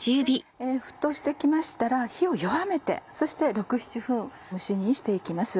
沸騰してきましたら火を弱めてそして６７分蒸し煮にしていきます。